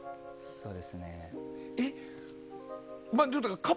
そうです。